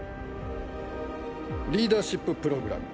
リーダーシッププログラム。